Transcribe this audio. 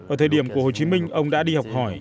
ở thời điểm của hồ chí minh ông đã đi học hỏi